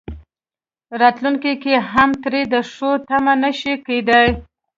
راتلونکي کې هم ترې د ښو تمه نه شي کېدای.